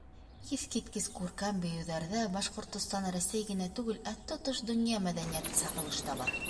Иҫ киткес күркәм бейеүҙәрҙә Башҡортостан, Рәсәй генә түгел, ә тотош донъя мәҙәниәте сағылыш таба.